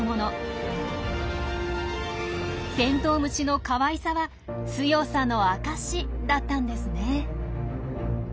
テントウムシのかわいさは強さの証しだったんですね。